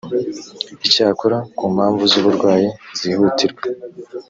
icyakora ku mpamvu z uburwayi zihutirwa